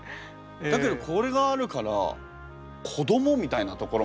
だけどこれがあるから子どもみたいなところまで。